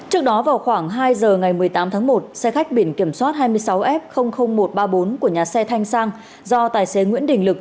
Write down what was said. trước đó vào khoảng hai giờ ngày một mươi tám tháng một xe khách biển kiểm soát hai mươi sáu f một trăm ba mươi bốn của nhà xe thanh sang do tài xế nguyễn đình lực